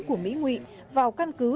của mỹ nguyện vào căn cứ